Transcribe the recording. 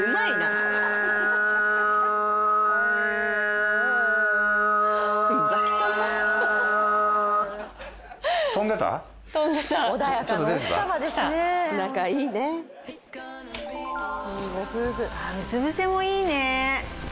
あっうつぶせもいいね。